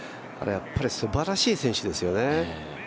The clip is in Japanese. やっぱりすばらしい選手ですよね。